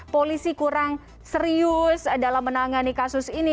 polisi kurang serius dalam menangani kasus ini